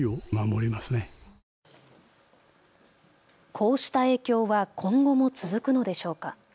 こうした影響は今後も続くのでしょうか。